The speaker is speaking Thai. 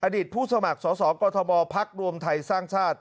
อดิษฐ์ผู้สมัครสสกมพรวมไทยสร้างชาติ